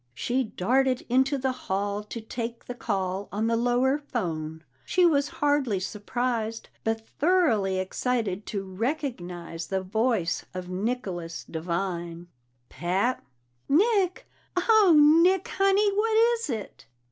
She darted into the hall to take the call on the lower phone; she was hardly surprised but thoroughly excited to recognize the voice of Nicholas Devine. "Pat?" "Nick! Oh, Nick, Honey! What is it?"